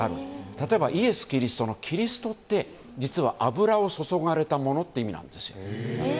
例えばイエス・キリストのキリストって実は油を注がれた者って意味なんですよ。